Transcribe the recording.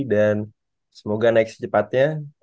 dan semoga naik secepatnya